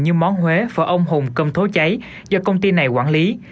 như món huế phở ông hùng cơm thố cháy do công ty này quản lý